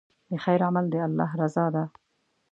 د خیر عمل د الله رضا ده.